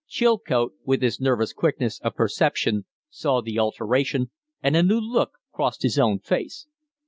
Chilcote, with his nervous quickness of perception, saw the alteration, and a new look crossed his own face.